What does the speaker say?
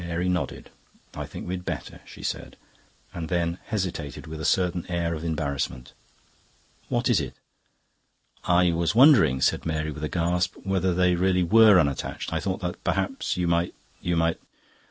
Mary nodded. "I think we had better," she said, and then hesitated, with a certain air of embarrassment. "What is it?" "I was wondering," said Mary, with a gasp, "whether they really were unattached. I thought that perhaps you might...you might..."